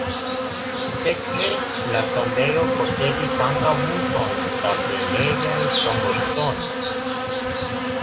Sekve la tombejo posedis ankaŭ multon da belegaj tomboŝtonoj.